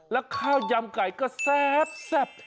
แล้วข้าวยำไก่ก็แซ่บ